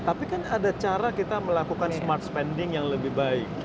tapi kan ada cara kita melakukan smart spending yang lebih baik